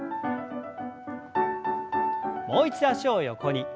もう一度脚を横に。